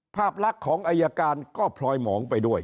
ภาพลักษณ์ของอายการก็พลอยหมองไปด้วย